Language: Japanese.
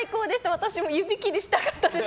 私も指切りしたかったです。